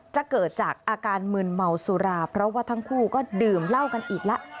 จะเกิดจากอาการมืนเมาสุราเพราะว่าทั้งคู่ก็ดื่มเหล้ากันอีกแล้ว